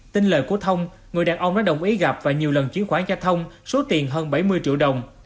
tin lời của thông người đàn ông đã đồng ý gặp và nhiều lần chuyển khoản cho thông số tiền hơn bảy mươi triệu đồng